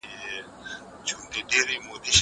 زه پرون پلان جوړوم وم!!